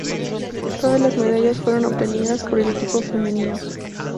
Todas las medallas fueron obtenidas por el equipo femenino.